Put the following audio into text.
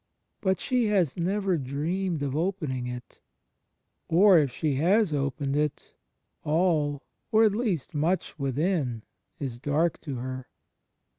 But she has never dreamed of opening it: or, if she has opened it, all — or at least much — within is dark to her.